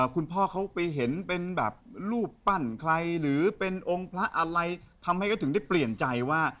คุณพ่อเขาไปเห็นเป็นแบบรูปปั้นใครหรือเป็นองค์พระอะไรทำให้เขาถึงได้เปลี่ยนใจว่า